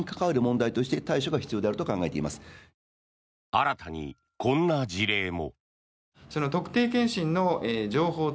新たに、こんな事例も。